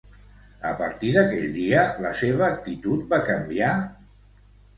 A partir d'aquell dia, la seva actitud va canviar?